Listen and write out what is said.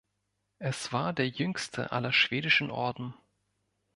Es war der jüngste aller schwedischer Orden.